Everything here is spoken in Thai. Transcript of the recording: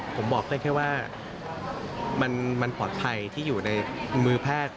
ผมบอกได้แค่ว่ามันปลอดภัยที่อยู่ในมือแพทย์